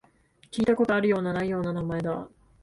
聞いたことあるような、ないような名前だ